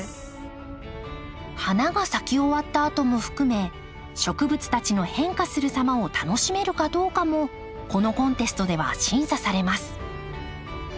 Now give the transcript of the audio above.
花が咲き終わったあとも含め植物たちの変化するさまを楽しめるかどうかもこのコンテストでは審査されます。